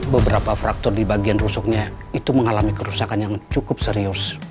beberapa faktor di bagian rusuknya itu mengalami kerusakan yang cukup serius